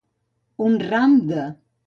Un ram de.